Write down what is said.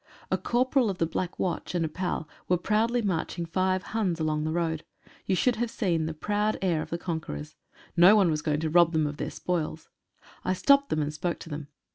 A corporal of the Black Watch and a pal were proudly marching five Huns along the road. You should have seen the proud air of the conquerors. No one was going to rob them of their spoils. I stopped them and spoke to them.